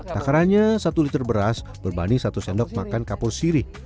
takarannya satu liter beras berbanding satu sendok makan kapur sirih